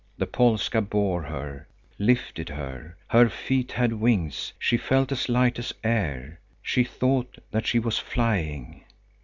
The polska bore her, lifted her; her feet had wings; she felt as light as air. She thought that she was flying.